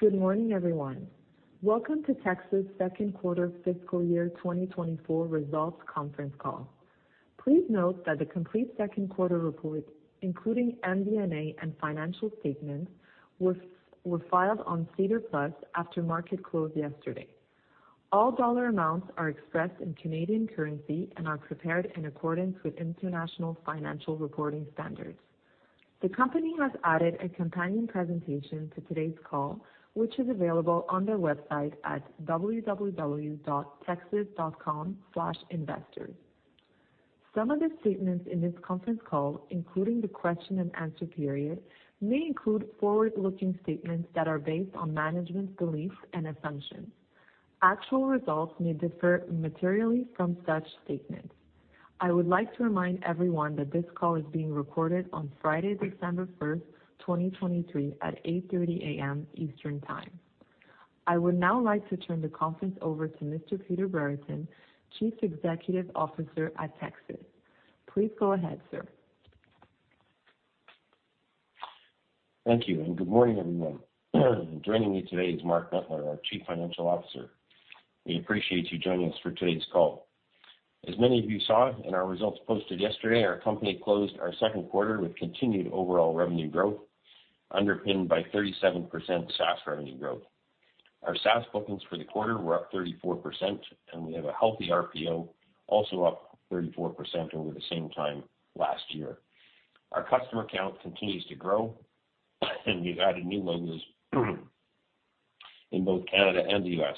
Good morning, everyone. Welcome to Tecsys' Q2 fiscal year 2024 results conference call. Please note that the complete Q2 report, including MD&A and financial statements, were filed on SEDAR+ after market close yesterday. All dollar amounts are expressed in Canadian currency and are prepared in accordance with International Financial Reporting Standards. The company has added a companion presentation to today's call, which is available on their website at www.tecsys.com/investor. Some of the statements in this conference call, including the question and answer period, may include forward-looking statements that are based on management's beliefs and assumptions. Actual results may differ materially from such statements. I would like to remind everyone that this call is being recorded on Friday, December 1st, 2023, at 8:30 A.M. Eastern Time. I would now like to turn the conference over to Mr. Peter Brereton, Chief Executive Officer at Tecsys. Please go ahead, sir. Thank you, and good morning, everyone. Joining me today is Mark Bentler, our Chief Financial Officer. We appreciate you joining us for today's call. As many of you saw in our results posted yesterday, our company closed our Q2 with continued overall revenue growth, underpinned by 37% SaaS revenue growth. Our SaaS bookings for the quarter were up 34%, and we have a healthy RPO, also up 34% over the same time last year. Our customer count continues to grow, and we've added new logos in both Canada and the U.S.,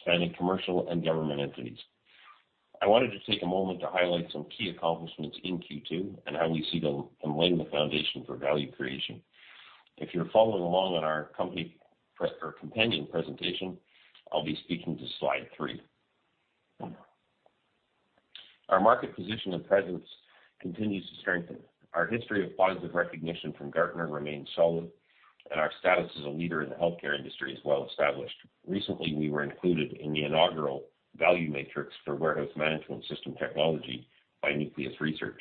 spanning commercial and government entities. I wanted to take a moment to highlight some key accomplishments in Q2 and how we see them laying the foundation for value creation. If you're following along on our company presentation or companion presentation, I'll be speaking to slide three. Our market position and presence continues to strengthen. Our history of positive recognition from Gartner remains solid, and our status as a leader in the healthcare industry is well established. Recently, we were included in the inaugural Value Matrix for Warehouse Management System Technology by Nucleus Research,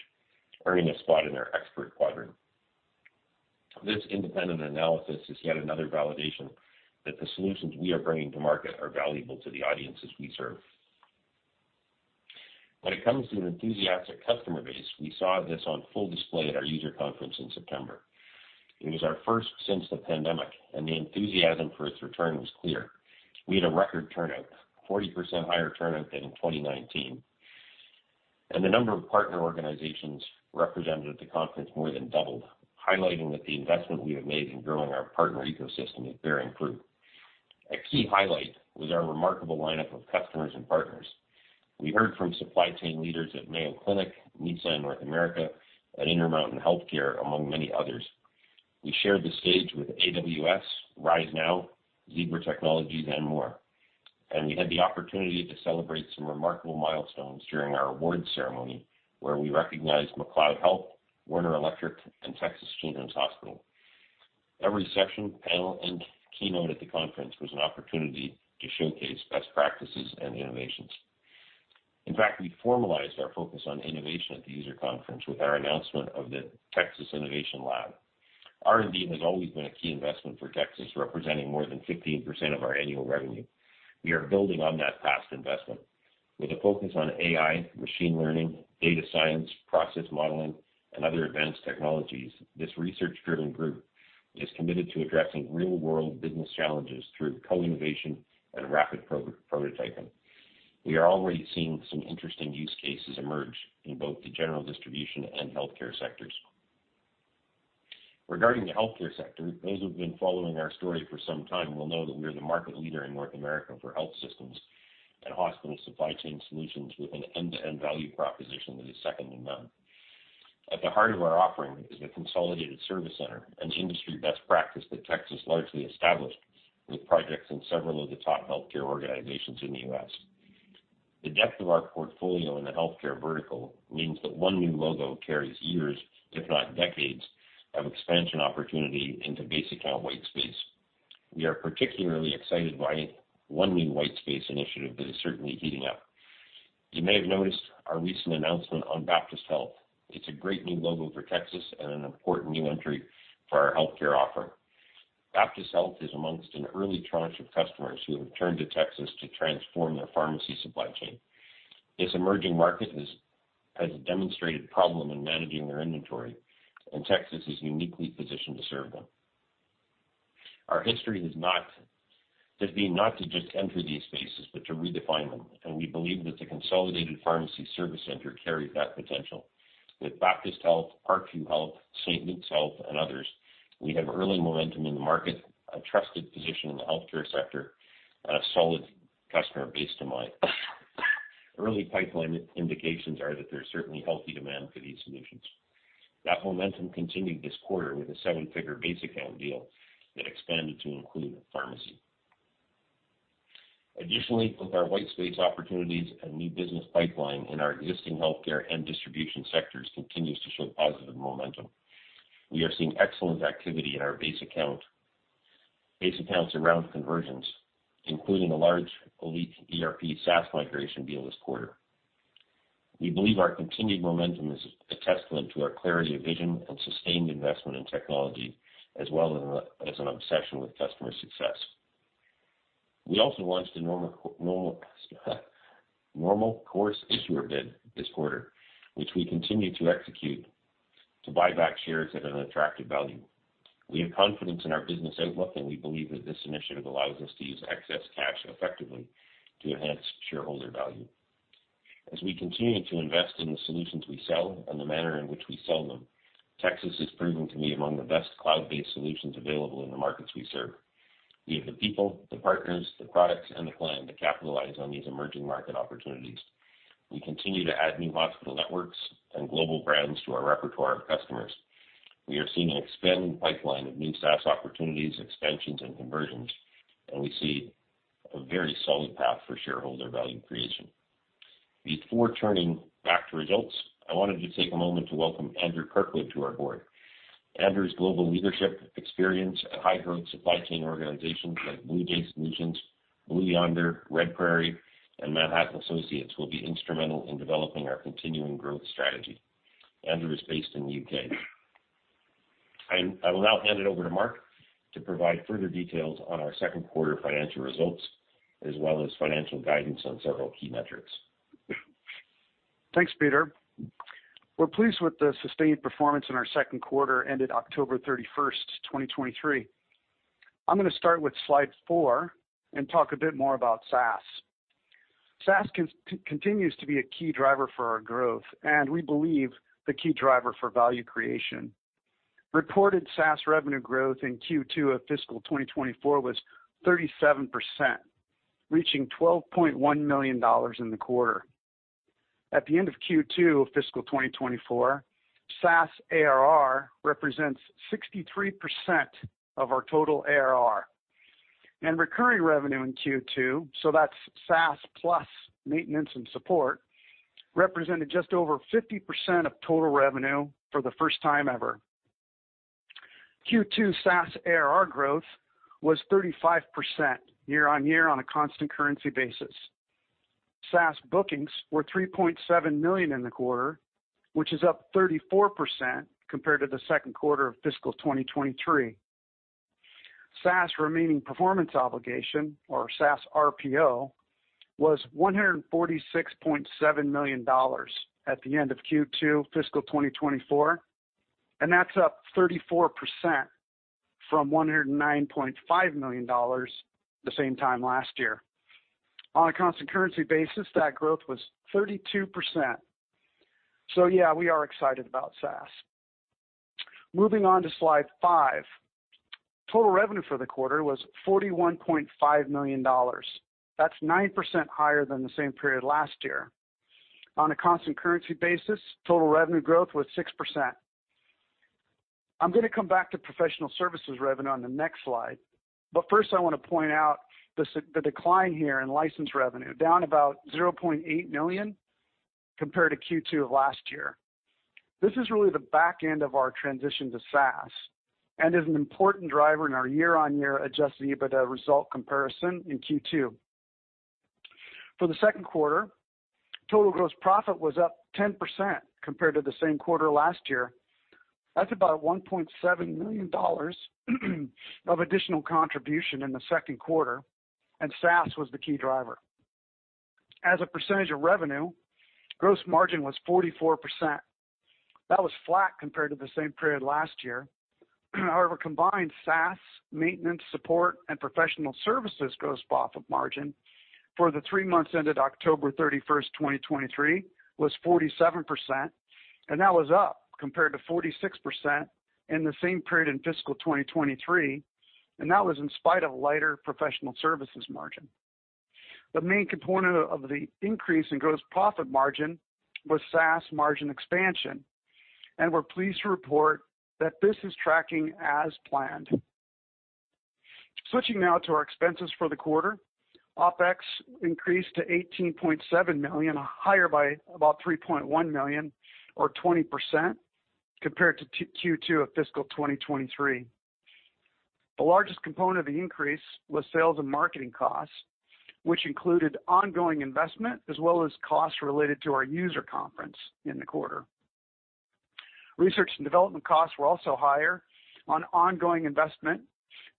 earning a spot in their expert quadrant. This independent analysis is yet another validation that the solutions we are bringing to market are valuable to the audiences we serve. When it comes to an enthusiastic customer base, we saw this on full display at our user conference in September. It was our first since the pandemic, and the enthusiasm for its return was clear. We had a record turnout, 40% higher turnout than in 2019, and the number of partner organizations represented at the conference more than doubled, highlighting that the investment we have made in growing our partner ecosystem is bearing fruit. A key highlight was our remarkable lineup of customers and partners. We heard from supply chain leaders at Mayo Clinic, Nissan North America, and Intermountain Healthcare, among many others. We shared the stage with AWS, ServiceNow, Zebra Technologies, and more, and we had the opportunity to celebrate some remarkable milestones during our awards ceremony, where we recognized McLeod Health, Warner Electric, and Texas Children's Hospital. Every session, panel, and keynote at the conference was an opportunity to showcase best practices and innovations. In fact, we formalized our focus on innovation at the user conference with our announcement of the Tecsys Innovation Lab. R&D has always been a key investment for Tecsys, representing more than 15% of our annual revenue. We are building on that past investment. With a focus on AI, machine learning, data science, process modeling, and other advanced technologies, this research-driven group is committed to addressing real-world business challenges through co-innovation and rapid prototyping. We are already seeing some interesting use cases emerge in both the general distribution and healthcare sectors. Regarding the healthcare sector, those who've been following our story for some time will know that we are the market leader in North America for health systems and hospital supply chain solutions, with an end-to-end value proposition that is second to none. At the heart of our offering is the Consolidated Service Center, an industry best practice that Tecsys largely established with projects in several of the top healthcare organizations in the U.S. The depth of our portfolio in the healthcare vertical means that one new logo carries years, if not decades, of expansion opportunity into base account white space. We are particularly excited by one new white space initiative that is certainly heating up. You may have noticed our recent announcement on Baptist Health. It's a great new logo for Tecsys and an important new entry for our healthcare offer. Baptist Health is amongst an early tranche of customers who have turned to Tecsys to transform their pharmacy supply chain. This emerging market has a demonstrated problem in managing their inventory, and Tecsys is uniquely positioned to serve them. Our history has been not to just enter these spaces, but to redefine them, and we believe that the Consolidated Pharmacy Service Center carries that potential. With Baptist Health, Parkview Health, St. Luke's Health, and others, we have early momentum in the market, a trusted position in the healthcare sector, and a solid customer base to mine. Early pipeline indications are that there's certainly healthy demand for these solutions. That momentum continued this quarter with a seven-figure base account deal that expanded to include pharmacy. Additionally, with our white space opportunities and new business pipeline in our existing healthcare and distribution sectors continues to show positive momentum. We are seeing excellent activity in our base accounts around conversions, including a large Elite ERP SaaS migration deal this quarter. We believe our continued momentum is a testament to our clarity of vision and sustained investment in technology, as well as an obsession with customer success. We also launched a Normal Course Issuer Bid this quarter, which we continue to execute to buy back shares at an attractive value. We have confidence in our business outlook, and we believe that this initiative allows us to use excess cash effectively to enhance shareholder value. As we continue to invest in the solutions we sell and the manner in which we sell them, Tecsys is proven to be among the best cloud-based solutions available in the markets we serve. We have the people, the partners, the products, and the plan to capitalize on these emerging market opportunities. We continue to add new hospital networks and global brands to our repertoire of customers. We are seeing an expanding pipeline of new SaaS opportunities, expansions, and conversions, and we see a very solid path for shareholder value creation. Before turning back to results, I wanted to take a moment to welcome Andrew Kirkwood to our board. Andrew's global leadership experience at high-growth supply chain organizations like Blue Yonder, RedPrairie, and Manhattan Associates, will be instrumental in developing our continuing growth strategy. Andrew is based in the U.K.. I will now hand it over to Mark to provide further details on our Q2 financial results, as well as financial guidance on several key metrics. Thanks, Peter. We're pleased with the sustained performance in our Q2, ended October 31st, 2023. I'm gonna start with slide four and talk a bit more about SaaS. SaaS continues to be a key driver for our growth, and we believe the key driver for value creation. Reported SaaS revenue growth in Q2 of fiscal 2024 was 37%, reaching 12.1 million dollars in the quarter. At the end of Q2 of fiscal 2024, SaaS ARR represents 63% of our total ARR. Recurring revenue in Q2, so that's SaaS plus maintenance and support, represented just over 50% of total revenue for the first time ever. Q2 SaaS ARR growth was 35% year-on-year on a constant currency basis. SaaS bookings were 3.7 million in the quarter, which is up 34% compared to the Q2 of fiscal 2023. SaaS remaining performance obligation, or SaaS RPO, was 146.7 million dollars at the end of Q2 fiscal 2024, and that's up 34% from 109.5 million dollars the same time last year. On a constant currency basis, that growth was 32%. So yeah, we are excited about SaaS. Moving on to slide five. Total revenue for the quarter was 41.5 million dollars. That's 9% higher than the same period last year. On a constant currency basis, total revenue growth was 6%. I'm gonna come back to professional services revenue on the next slide, but first, I want to point out the decline here in license revenue, down about 0.8 million compared to Q2 of last year. This is really the back end of our transition to SaaS and is an important driver in our year-on-year adjusted EBITDA result comparison in Q2. For the Q2, total gross profit was up 10% compared to the same quarter last year. That's about 1.7 million dollars of additional contribution in the Q2, and SaaS was the key driver. As a percentage of revenue, gross margin was 44%. That was flat compared to the same period last year. However, combined SaaS, maintenance, support, and professional services gross profit margin for the three months ended October 31st, 2023, was 47%, and that was up compared to 46% in the same period in fiscal 2023, and that was in spite of a lighter professional services margin. The main component of the increase in gross profit margin was SaaS margin expansion, and we're pleased to report that this is tracking as planned. Switching now to our expenses for the quarter, OpEx increased to 18.7 million, higher by about 3.1 million, or 20% compared to Q2 of fiscal 2023. The largest component of the increase was sales and marketing costs, which included ongoing investment as well as costs related to our user conference in the quarter. Research and development costs were also higher on ongoing investment,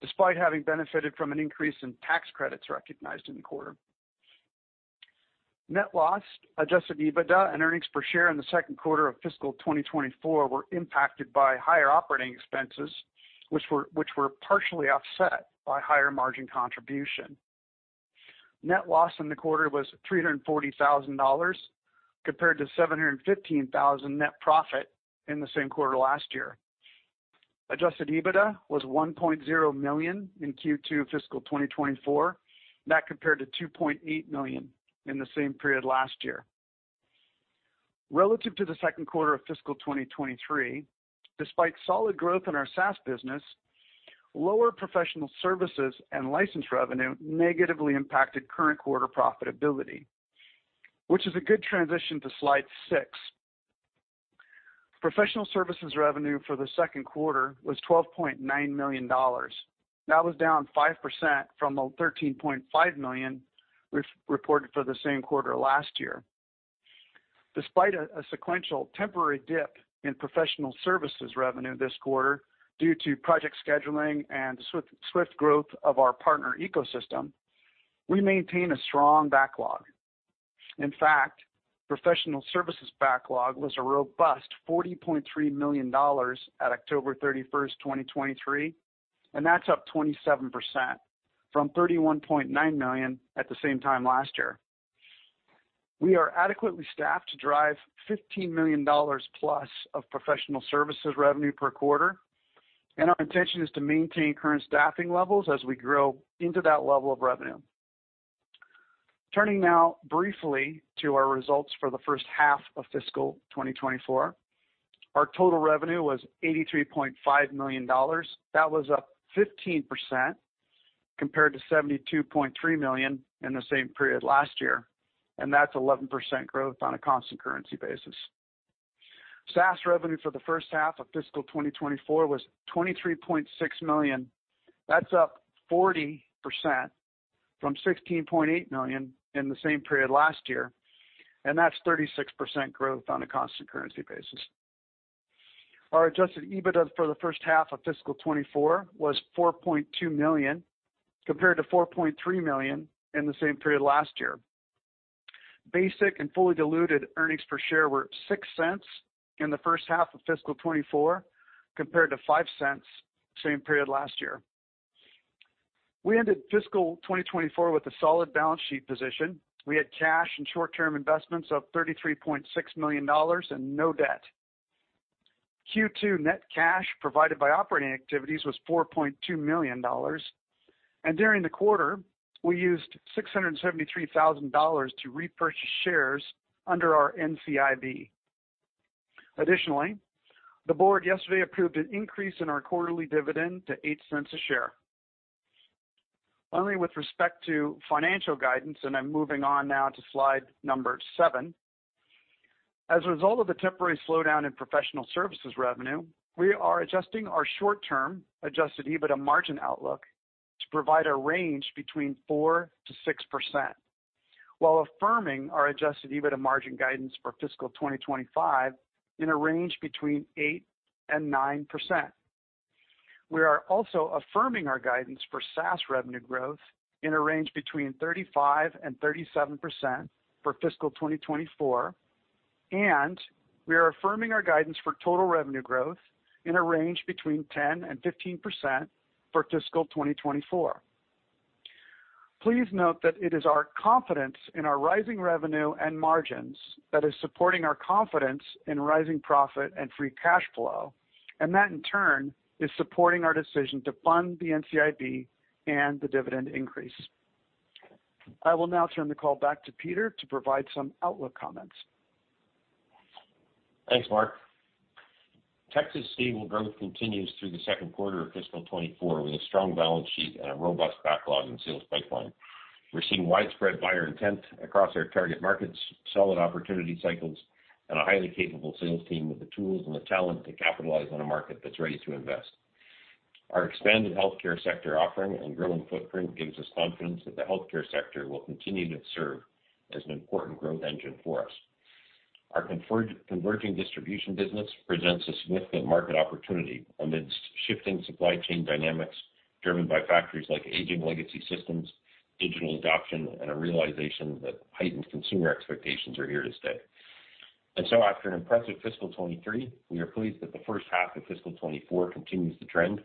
despite having benefited from an increase in tax credits recognized in the quarter. Net loss, adjusted EBITDA and earnings per share in the Q2 of fiscal 2024 were impacted by higher operating expenses, which were partially offset by higher margin contribution. Net loss in the quarter was 340,000 dollars, compared to 715,000 net profit in the same quarter last year. Adjusted EBITDA was 1.0 million in Q2 fiscal 2024. That compared to 2.8 million in the same period last year. Relative to the Q2 of fiscal 2023, despite solid growth in our SaaS business, lower professional services and license revenue negatively impacted current quarter profitability, which is a good transition to slide six. Professional services revenue for the Q2 was 12.9 million dollars. That was down 5% from the 13.5 million we've reported for the same quarter last year. Despite a sequential temporary dip in professional services revenue this quarter due to project scheduling and swift growth of our partner ecosystem, we maintain a strong backlog. In fact, professional services backlog was a robust 40.3 million dollars at October 31st, 2023, and that's up 27% from 31.9 million at the same time last year. We are adequately staffed to drive 15 million dollars plus of professional services revenue per quarter, and our intention is to maintain current staffing levels as we grow into that level of revenue. Turning now briefly to our results for the first half of fiscal 2024. Our total revenue was 83.5 million dollars. That was up 15% compared to 72.3 million in the same period last year, and that's 11% growth on a constant currency basis. SaaS revenue for the first half of fiscal 2024 was 23.6 million. That's up 40% from 16.8 million in the same period last year, and that's 36% growth on a constant currency basis. Our adjusted EBITDA for the first half of fiscal 2024 was 4.2 million, compared to 4.3 million in the same period last year. Basic and fully diluted earnings per share were 0.06 in the first half of fiscal 2024, compared to 0.05 same period last year. We ended fiscal 2024 with a solid balance sheet position. We had cash and short-term investments of 33.6 million dollars and no debt. Q2 net cash provided by operating activities was 4.2 million dollars, and during the quarter, we used 673,000 dollars to repurchase shares under our NCIB. Additionally, the board yesterday approved an increase in our quarterly dividend to 0.08 a share. Only with respect to financial guidance, and I'm moving on now to slide number seven. As a result of the temporary slowdown in professional services revenue, we are adjusting our short-term adjusted EBITDA margin outlook to provide a range between 4% to 6%, while affirming our adjusted EBITDA margin guidance for fiscal 2025 in a range between 8% to 9%. We are also affirming our guidance for SaaS revenue growth in a range between 35% and 37% for fiscal 2024, and we are affirming our guidance for total revenue growth in a range between 10% and 15% for fiscal 2024. Please note that it is our confidence in our rising revenue and margins that is supporting our confidence in rising profit and free cash flow, and that, in turn, is supporting our decision to fund the NCIB and the dividend increase. I will now turn the call back to Peter to provide some outlook comments. Thanks, Mark. Tecsys stable growth continues through the Q2 of fiscal 2024, with a strong balance sheet and a robust backlog in sales pipeline. We're seeing widespread buyer intent across our target markets, solid opportunity cycles, and a highly capable sales team with the tools and the talent to capitalize on a market that's ready to invest. Our expanded healthcare sector offering and growing footprint gives us confidence that the healthcare sector will continue to serve as an important growth engine for us. Our converging distribution business presents a significant market opportunity amidst shifting supply chain dynamics, driven by factors like aging legacy systems, digital adoption, and a realization that heightened consumer expectations are here to stay. And so, after an impressive fiscal 2023, we are pleased that the first half of fiscal 2024 continues the trend.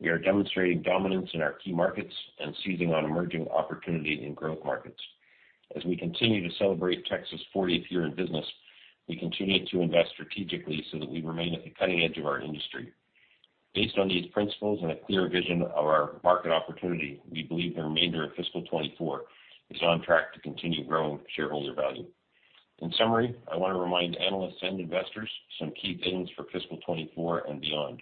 We are demonstrating dominance in our key markets and seizing on emerging opportunities in growth markets. As we continue to celebrate Tecsys' 40th year in business, we continue to invest strategically so that we remain at the cutting edge of our industry. Based on these principles and a clear vision of our market opportunity, we believe the remainder of fiscal 2024 is on track to continue growing shareholder value. In summary, I want to remind analysts and investors some key themes for fiscal 2024 and beyond.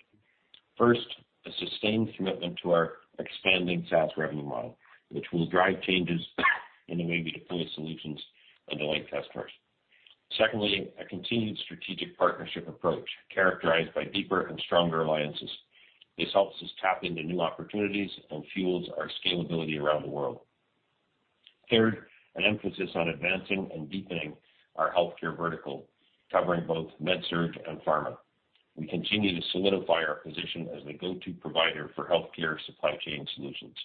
First, a sustained commitment to our expanding SaaS revenue model, which will drive changes in the way we deploy solutions and delight customers. Secondly, a continued strategic partnership approach characterized by deeper and stronger alliances. This helps us tap into new opportunities and fuels our scalability around the world. Third, an emphasis on advancing and deepening our healthcare vertical, covering both Med-Surg and pharma. We continue to solidify our position as the go-to provider for healthcare supply chain solutions.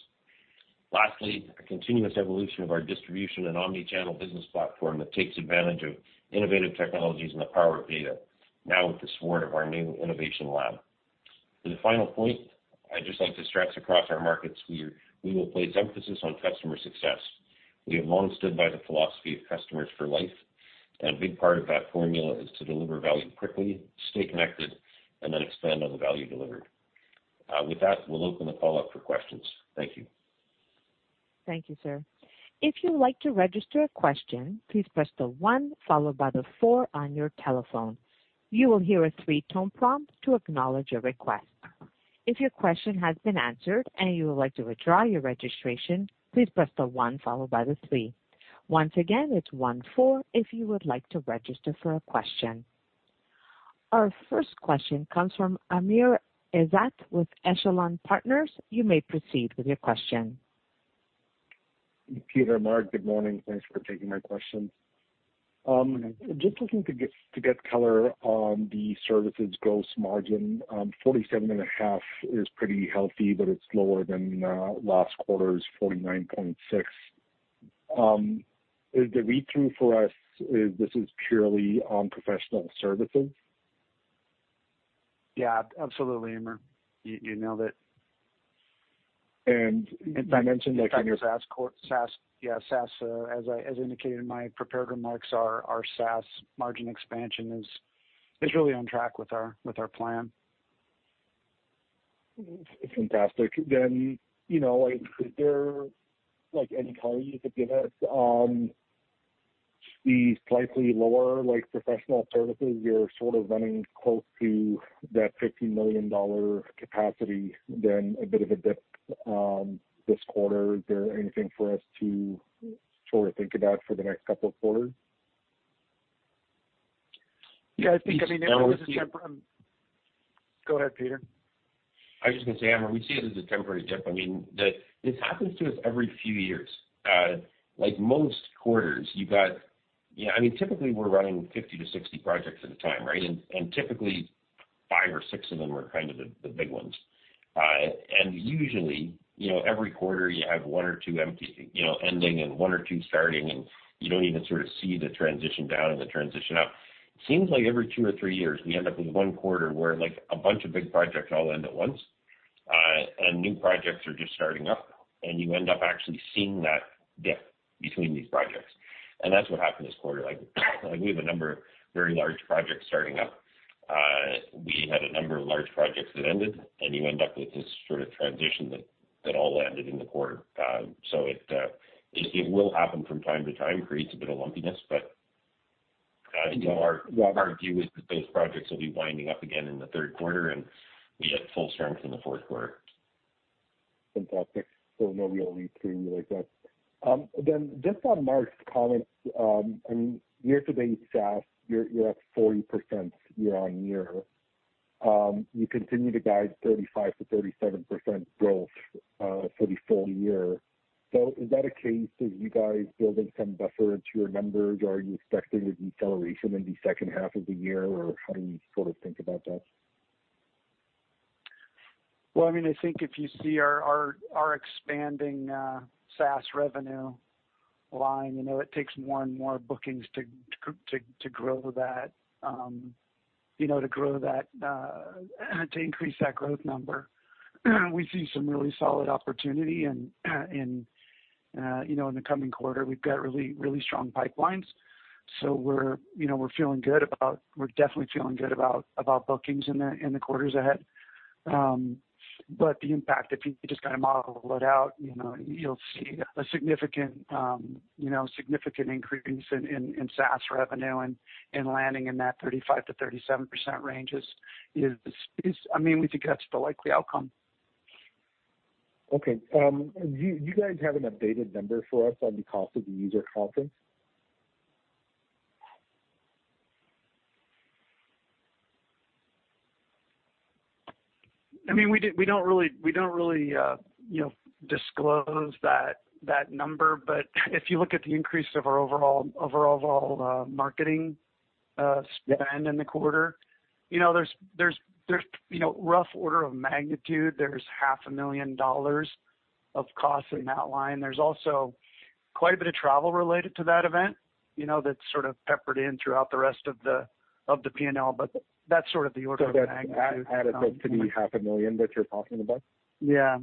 Lastly, a continuous evolution of our distribution and omni-channel business platform that takes advantage of innovative technologies and the power of data, now with the support of our new Innovation Lab. As a final point, I'd just like to stress across our markets, we, we will place emphasis on customer success. We have long stood by the philosophy of customers for life, and a big part of that formula is to deliver value quickly, stay connected, and then expand on the value delivered. With that, we'll open the call up for questions. Thank you. Thank you, sir. If you'd like to register a question, please press the one followed by the four on your telephone. You will hear a three-tone prompt to acknowledge your request. If your question has been answered and you would like to withdraw your registration, please press the one followed by the three. Once again, it's one four if you would like to register for a question. Our first question comes from Amr Ezzat with Echelon Partners. You may proceed with your question. Peter, Mark, good morning. Thanks for taking my questions. Just looking to get color on the services gross margin, 47.5 is pretty healthy, but it's lower than last quarter's 49.6. Is the read-through for us, is this purely on professional services? Yeah, absolutely, Amr, you know that. You mentioned that SaaS, yeah, SaaS, as I, as indicated in my prepared remarks, our, our SaaS margin expansion is, is really on track with our, with our plan. Fantastic. Then, you know, like, is there like any color you could give us on the slightly lower, like, professional services? You're sort of running close to that 50 million dollar capacity, then a bit of a dip this quarter. Is there anything for us to sort of think about for the next couple of quarters? Yeah, I think, I mean, it was a temporary, Go ahead, Peter. I was just gonna say, Amr, we see it as a temporary dip. I mean, this happens to us every few years. Like most quarters, you've got, you know, I mean, typically we're running 50 to 60 projects at a time, right? And typically five or six of them are kind of the big ones. And usually, you know, every quarter you have one or two ending, and one or two starting, and you don't even sort of see the transition down and the transition up. It seems like every two or three years, we end up with one quarter where, like, a bunch of big projects all end at once, and new projects are just starting up, and you end up actually seeing that dip between these projects. And that's what happened this quarter. Like, we have a number of very large projects starting up. We had a number of large projects that ended, and you end up with this sort of transition that all landed in the quarter. So it will happen from time to time, creates a bit of lumpiness. But our view is that those projects will be winding up again in the Q3, and be at full strength in the Q4. Fantastic. So no real read-through like that. Then just on Mark's comments, I mean, year-to-date, SaaS, you're at 40% year-on-year. You continue to guide 35% to 37% growth for the full year. So is that a case of you guys building some buffer into your numbers, or are you expecting a deceleration in the second half of the year, or how do you sort of think about that? Well, I mean, I think if you see our expanding SaaS revenue line, you know, it takes more and more bookings to grow that, you know, to grow that to increase that growth number. We see some really solid opportunity and, you know, in the coming quarter, we've got really, really strong pipelines. So we're, you know, we're feeling good about—we're definitely feeling good about bookings in the quarters ahead. But the impact, if you just kind of model it out, you know, you'll see a significant, you know, significant increase in SaaS revenue and landing in that 35% to 37% range is, I mean, we think that's the likely outcome. Okay, do you guys have an updated number for us on the cost of the user conference? I mean, we don't really, we don't really, you know, disclose that, that number. But if you look at the increase of our overall, of our overall, marketing, spend in the quarter, you know, there's, there's, there's, you know, rough order of magnitude. There's 500,000 dollars of costs in that line. There's also quite a bit of travel related to that event, you know, that's sort of peppered in throughout the rest of the, of the P&L, but that's sort of the order of magnitude That added up to the 500,000 that you're talking about? Yeah.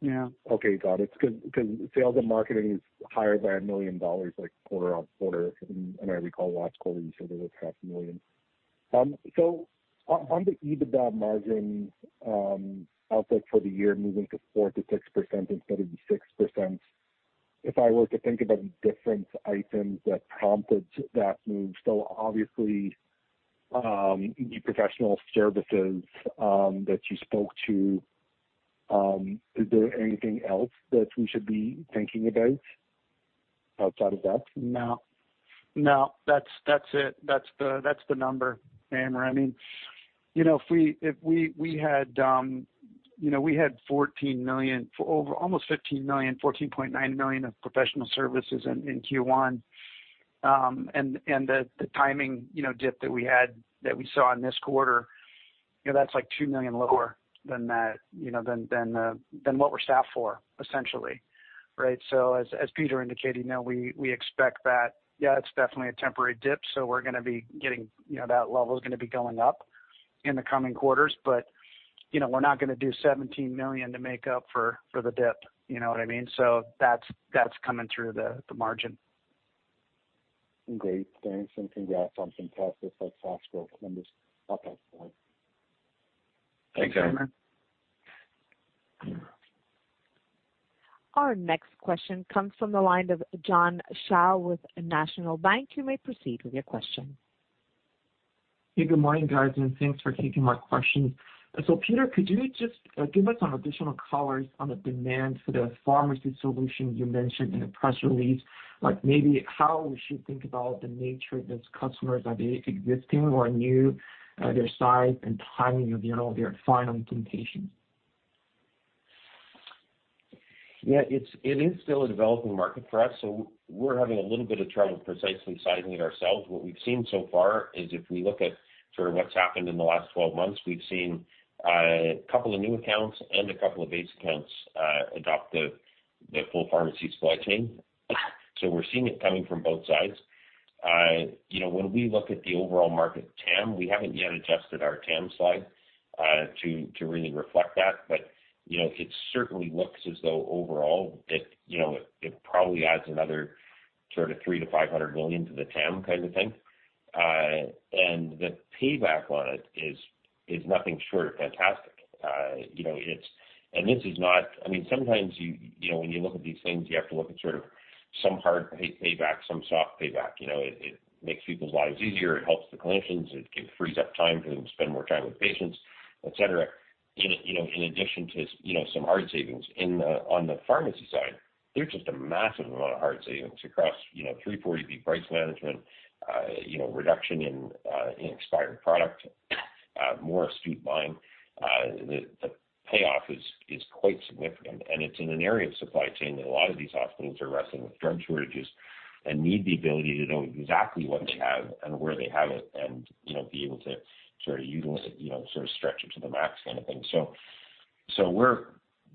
Yeah. Okay, got it. Because, because sales and marketing is higher by 1 million dollars, like quarter-on-quarter, and I recall last quarter you said it was 500,000. So on, on the EBITDA margin, outlook for the year moving to 4% to 6% instead of the 6%, if I were to think about the different items that prompted that move, so obviously, the professional services that you spoke to, is there anything else that we should be thinking about, outside of that? No. No, that's it. That's the number, Amr. I mean, you know, if we had, you know, we had 14 million for over almost 15 million, 14.9 million of professional services in Q1. And the timing, you know, dip that we had, that we saw in this quarter, you know, that's like 2 million lower than that, you know, than what we're staffed for, essentially. Right? So as Peter indicated, now we expect that, yeah, it's definitely a temporary dip, so we're gonna be getting, you know, that level is gonna be going up in the coming quarters. But, you know, we're not gonna do 17 million to make up for the dip. You know what I mean? So that's coming through the margin. Great. Thanks, and congrats on fantastic, like, SaaS growth numbers. Up next slide. Thanks, Amir. Our next question comes from the line of John Shao with National Bank. You may proceed with your question. Hey, good morning, guys, and thanks for taking my questions. So Peter, could you just give us some additional colors on the demand for the pharmacy solution you mentioned in the press release? Like maybe how we should think about the nature of those customers, are they existing or new, their size and timing of, you know, their final implementation? Yeah, it is still a developing market for us, so we're having a little bit of trouble precisely sizing it ourselves. What we've seen so far is if we look at sort of what's happened in the last 12 months, we've seen a couple of new accounts and a couple of base accounts adopt the full pharmacy supply chain. So we're seeing it coming from both sides. You know, when we look at the overall market TAM, we haven't yet adjusted our TAM slide to really reflect that. But, you know, it certainly looks as though overall it, you know, it probably adds another sort of 300 million to 500 million to the TAM kind of thing. And the payback on it is nothing short of fantastic. You know, it's, I mean, sometimes you, you know, when you look at these things, you have to look at sort of some hard payback, some soft payback. You know, it makes people's lives easier, it helps the clinicians, it frees up time for them to spend more time with patients, et cetera, you know, in addition to, you know, some hard savings. On the pharmacy side, there's just a massive amount of hard savings across, you know, 340B price management, you know, reduction in expired product, more astute buying. The payoff is quite significant, and it's in an area of supply chain that a lot of these hospitals are wrestling with drug shortages and need the ability to know exactly what they have and where they have it, and, you know, be able to sort of utilize it, you know, sort of stretch it to the max kind of thing. So,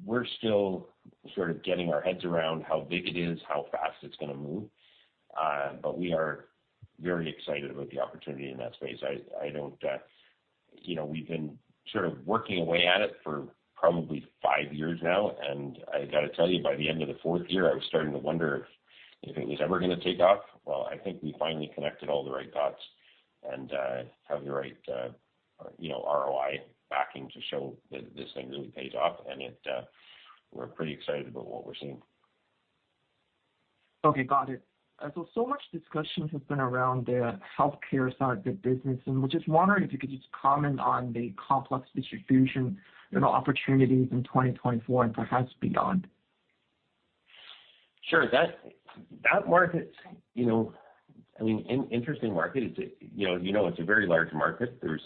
we're still sort of getting our heads around how big it is, how fast it's gonna move, but we are very excited about the opportunity in that space. I don't. You know, we've been sort of working away at it for probably five years now, and I've got to tell you, by the end of the fourth year, I was starting to wonder if it was ever gonna take off. Well, I think we finally connected all the right dots and have the right, you know, ROI backing to show that this thing really pays off, and it, we're pretty excited about what we're seeing. Okay, got it. So, so much discussion has been around the healthcare side of the business, and we're just wondering if you could just comment on the complex distribution, you know, opportunities in 2024 and perhaps beyond. Sure. That market, you know, I mean, interesting market. It's, you know, you know, it's a very large market. There's,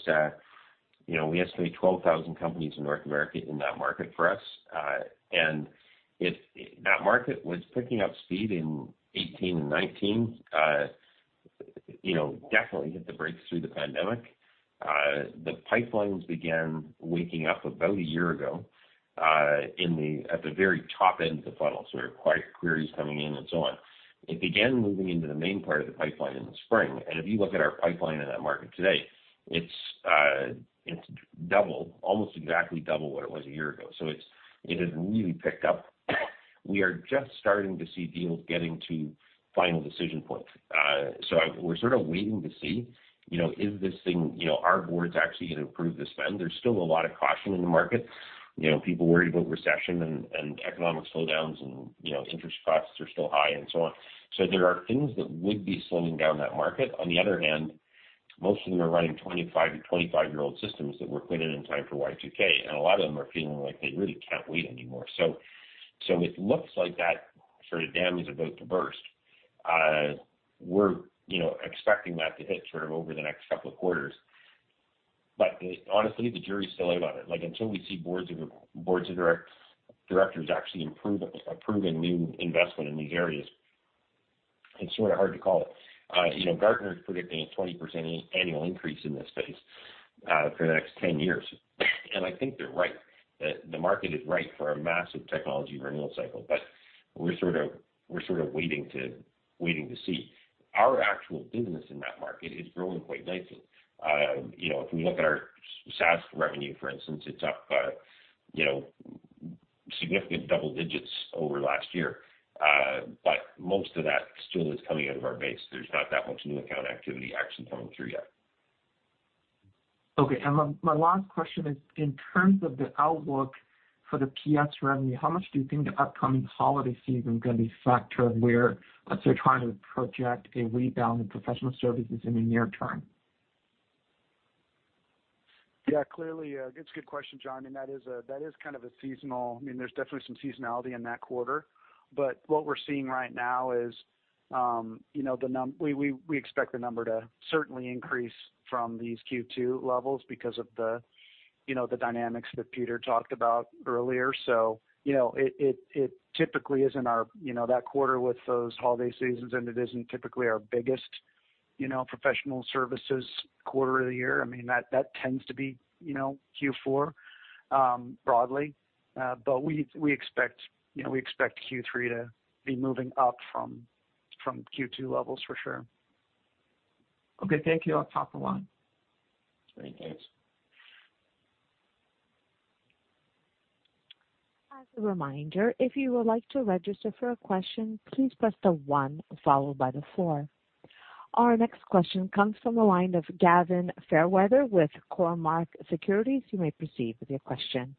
you know, we estimate 12,000 companies in North America in that market for us. And that market was picking up speed in 2018 and 2019. You know, definitely hit the brakes through the pandemic. The pipelines began waking up about a year ago, at the very top end of the funnel, sort of quiet queries coming in and so on. It began moving into the main part of the pipeline in the spring, and if you look at our pipeline in that market today, it's, it's double, almost exactly double what it was a year ago. So it's, it has really picked up. We are just starting to see deals getting to final decision points. So we're sort of waiting to see, you know, is this thing. You know, are boards actually going to approve the spend? There's still a lot of caution in the market. You know, people worried about recession and economic slowdowns and, you know, interest costs are still high and so on. So there are things that would be slowing down that market. On the other hand, most of them are running 25- to 25-year-old systems that were put in in time for Y2K, and a lot of them are feeling like they really can't wait anymore. So it looks like that sort of dam is about to burst. We're, you know, expecting that to hit sort of over the next couple of quarters. But honestly, the jury is still out on it. Like, until we see boards of directors actually approving new investment in these areas, it's sort of hard to call it. You know, Gartner is predicting a 20% annual increase in this space, for the next 10 years, and I think they're right. The market is right for a massive technology renewal cycle, but we're sort of waiting to see. Our actual business in that market is growing quite nicely. You know, if we look at our SaaS revenue, for instance, it's up, you know, significant double digits over last year. But most of that still is coming out of our base. There's not that much new account activity actually coming through yet. Okay, and my last question is, in terms of the outlook for the PS revenue, how much do you think the upcoming holiday season is going to be a factor whereas they're trying to project a rebound in professional services in the near term? Yeah, clearly, it's a good question, John, and that is a, that is kind of a seasonal. I mean, there's definitely some seasonality in that quarter. But what we're seeing right now is, you know, we expect the number to certainly increase from these Q2 levels because of the, you know, the dynamics that Peter talked about earlier. So you know, it, it, it typically isn't our, you know, that quarter with those holiday seasons, and it isn't typically our biggest, you know, professional services quarter of the year. I mean, that, that tends to be, you know, Q4, broadly. But we expect, you know, we expect Q3 to be moving up from, from Q2 levels for sure. Okay. Thank you. I'll hop off the line. Thank you. Thanks. As a reminder, if you would like to register for a question, please press the one followed by the four. Our next question comes from the line of Gavin Fairweather with Cormark Securities. You may proceed with your question.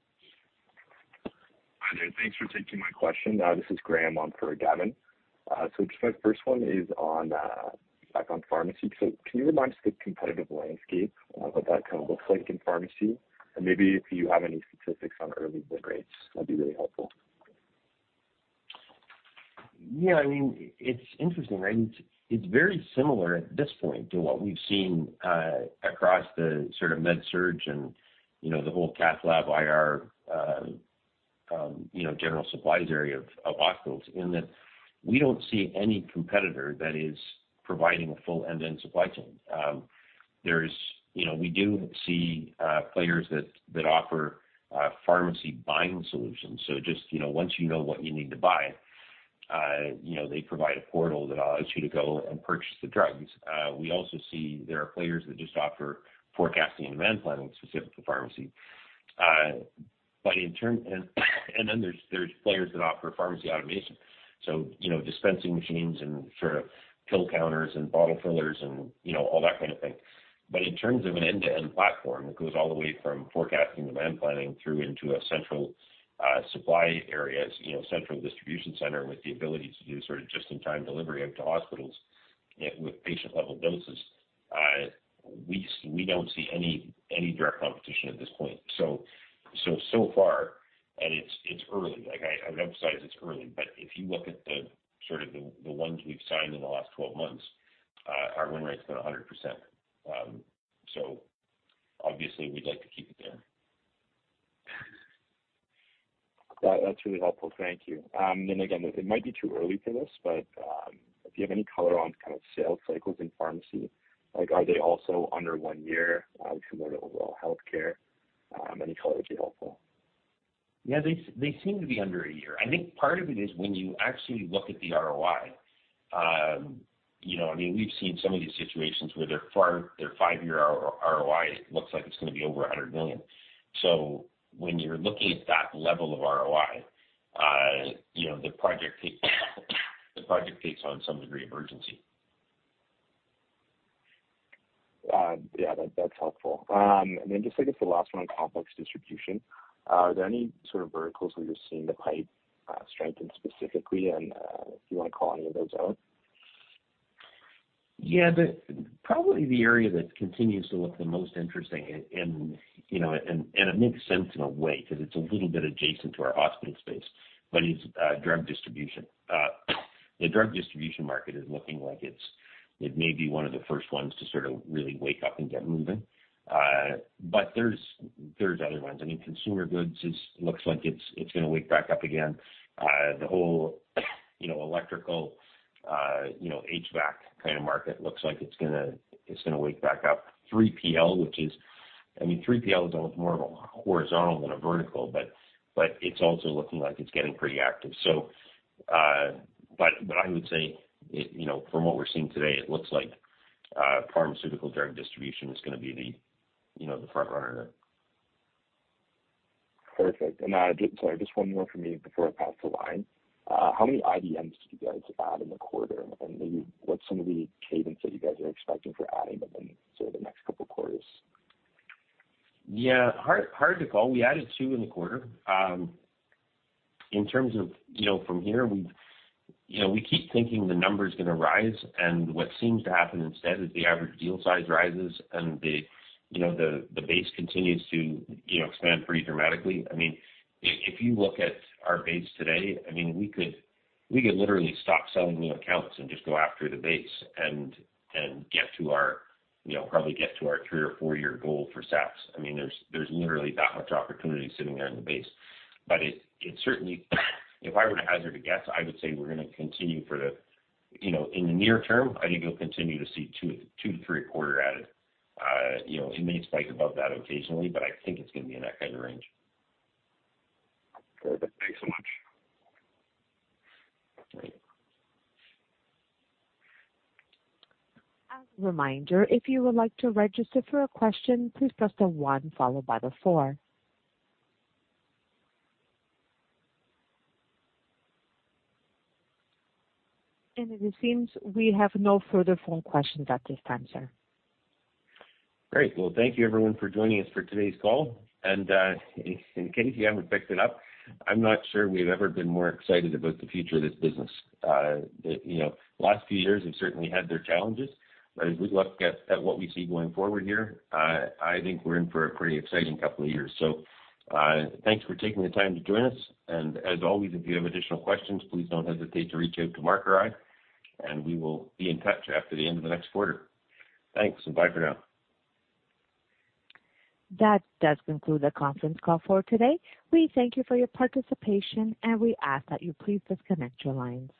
Hi there. Thanks for taking my question. This is Graham on for Gavin. So just my first one is on, back on pharmacy. So can you remind us the competitive landscape, what that kind of looks like in pharmacy? And maybe if you have any statistics on early win rates, that'd be really helpful. Yeah, I mean, it's interesting, right? It's very similar at this point to what we've seen across the sort of Med Surg and, you know, the whole Cath Lab, IR, you know, general supplies area of hospitals, in that we don't see any competitor that is providing a full end-to-end supply chain. There's, You know, we do see players that offer pharmacy buying solutions. So just, you know, once you know what you need to buy, you know, they provide a portal that allows you to go and purchase the drugs. We also see there are players that just offer forecasting and demand planning specific to pharmacy. But in terms and, and then there's players that offer pharmacy automation, so, you know, dispensing machines and sort of pill counters and bottle fillers and, you know, all that kind of thing. But in terms of an end-to-end platform, that goes all the way from forecasting demand planning through into a central supply areas, you know, central distribution center with the ability to do sort of just-in-time delivery out to hospitals with patient-level doses, we don't see any direct competition at this point. So far, and it's early, like I would emphasize it's early, but if you look at the ones we've signed in the last 12 months, our win rate's been 100%. So obviously, we'd like to keep it there. Well, that's really helpful. Thank you. Then again, it might be too early for this, but, if you have any color on kind of sales cycles in pharmacy, like are they also under one year, similar to overall healthcare? Any color would be helpful. Yeah, they seem to be under a year. I think part of it is when you actually look at the ROI, you know, I mean, we've seen some of these situations where their five-year ROI looks like it's gonna be over 100 million. So when you're looking at that level of ROI, you know, the project takes on some degree of urgency. Yeah, that's helpful. And then just, I guess, the last one on complex distribution. Are there any sort of verticals where you're seeing the pipe strengthen specifically? And if you wanna call any of those out. Yeah, probably the area that continues to look the most interesting, and, you know, and it makes sense in a way, 'cause it's a little bit adjacent to our hospital space, but it's drug distribution. The drug distribution market is looking like it may be one of the first ones to sort of really wake up and get moving. But there's other ones. I mean, consumer goods looks like it's gonna wake back up again. The whole, you know, electrical, you know, HVAC kind of market looks like it's gonna wake back up. 3PL, which is, I mean, 3PL is more of a horizontal than a vertical, but it's also looking like it's getting pretty active. So, but I would say, it, you know, from what we're seeing today, it looks like pharmaceutical drug distribution is gonna be the, you know, the front runner. Perfect. And, just one more from me before I pass the line. How many IDNs did you guys add in the quarter? And maybe what's some of the cadence that you guys are expecting for adding them in sort of the next couple quarters? Yeah, hard, hard to call. We added two in the quarter. In terms of, you know, from here, we've, you know, we keep thinking the number's gonna rise, and what seems to happen instead is the average deal size rises, and the, you know, the base continues to, you know, expand pretty dramatically. I mean, if you look at our base today, I mean, we could literally stop selling new accounts and just go after the base and get to our, you know, probably get to our three- or four-year goal for SaaS. I mean, there's literally that much opportunity sitting there in the base. But it certainly, if I were to hazard a guess, I would say we're gonna continue for the, You know, in the near term, I think you'll continue to see two, two-three a quarter added. you know, it may spike above that occasionally, but I think it's gonna be in that kind of range. Perfect. Thanks so much. As a reminder, if you would like to register for a question, please press the one followed by the four. It seems we have no further phone questions at this time, sir. Great. Well, thank you everyone for joining us for today's call. And, in case you haven't picked it up, I'm not sure we've ever been more excited about the future of this business. You know, the last few years have certainly had their challenges, but as we look at what we see going forward here, I think we're in for a pretty exciting couple of years. So, thanks for taking the time to join us, and as always, if you have additional questions, please don't hesitate to reach out to Mark or I, and we will be in touch after the end of the next quarter. Thanks, and bye for now. That does conclude the conference call for today. We thank you for your participation, and we ask that you please disconnect your lines.